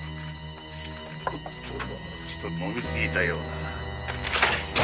ちと飲みすぎたようだな。